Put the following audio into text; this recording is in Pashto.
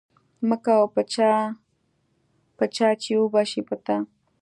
مکوه په چا چې وبه شي په تا.